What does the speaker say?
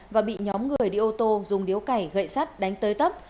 và bị nhóm người đi ô tô dùng điếu cải gậy sắt đánh tới tấp